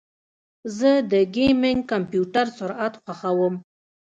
زه د ګیمنګ کمپیوټر سرعت خوښوم.